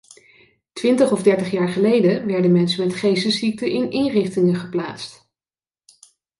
Twintig of dertig jaar geleden werden mensen met geestesziekten in inrichtingen geplaatst.